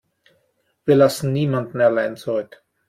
Wir lassen niemanden allein zurück.